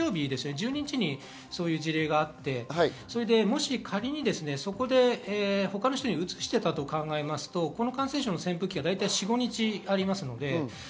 １２日にそういう事例があって、仮にそこで他の人にうつしていたと考えますと、この感染症の潜伏期間は４５日です。